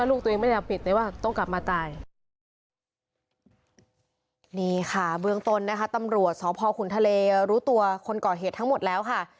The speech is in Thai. แล้วก็ตามจับตัวค่ะ